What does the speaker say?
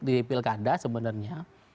di pilkada sebenarnya